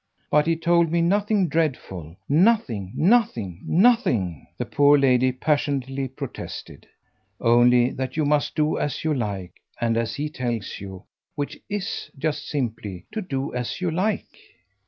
But he told me nothing dreadful nothing, nothing, nothing," the poor lady passionately protested. "Only that you must do as you like and as he tells you which IS just simply to do as you like."